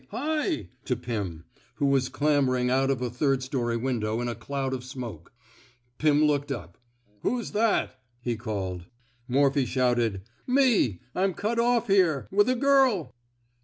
Hi!" to Pirn, who was clambering out of a third story window in a cloud of smoke. Pim looked up. '' Who's that? '' he called. Morphy shouted :Me — I 'm cut off here — with a girl